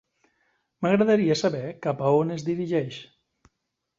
M'agradaria saber cap a on es dirigeix.